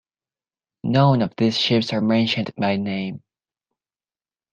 None of these ships are mentioned by name.